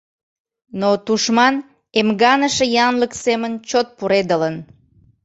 Но тушман эмганыше янлык семын чот пуредылын.